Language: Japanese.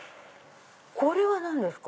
これは何ですか？